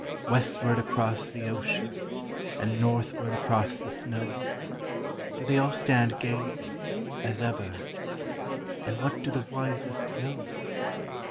Westward across the ocean, and Northward across the snow, Do they all stand gazing, as ever, and what do the wisest know?